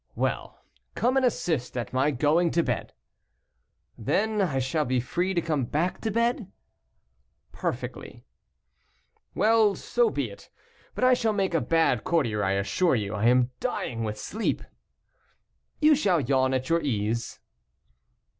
"Well, come and assist at my going to bed." "Then I shall be free to come back to bed?" "Perfectly." "Well, so be it. But I shall make a bad courtier, I assure you; I am dying with sleep." "You shall yawn at your ease."